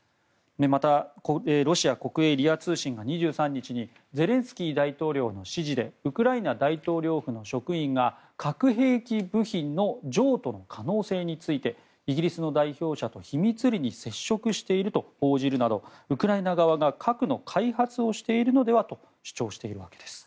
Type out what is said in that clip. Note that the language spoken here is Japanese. また、ロシア国営ＲＩＡ通信が２３日にゼレンスキー大統領の指示でウクライナ大統領府の職員が核兵器部品の譲渡の可能性についてイギリスの代表者と秘密裏に接触していると報じるなど、ウクライナ側が核の開発をしているのではと主張しているわけです。